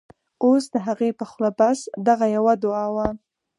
اوس د هغې په خوله بس، دغه یوه دعاوه